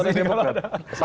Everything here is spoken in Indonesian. serius sama dengan demokrat